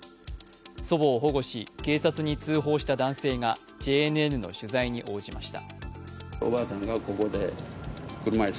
祖母を保護し警察に通報した男性がＪＮＮの取材に応じました。